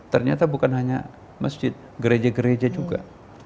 ternyata bukan hanya masjid gereja gereja juga